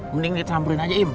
mending ditampurin aja im